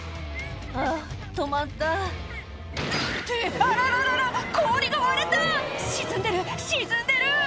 あぁ止まったってあらららら氷が割れた沈んでる沈んでる！